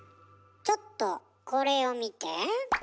ちょっとこれを見て。